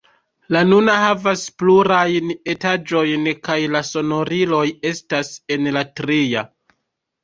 La nuna havas plurajn etaĝojn kaj la sonoriloj estas en la tria.